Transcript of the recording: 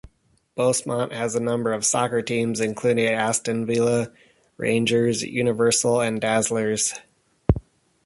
Bosmont has a number of soccer teams, including Aston Villa, Rangers, Universals and Dazzlers.